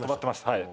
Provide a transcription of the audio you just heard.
はい。